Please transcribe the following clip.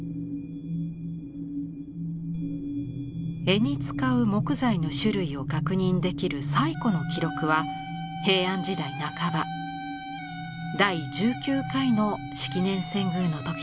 柄に使う木材の種類を確認できる最古の記録は平安時代半ば第１９回の式年遷宮の時のもの。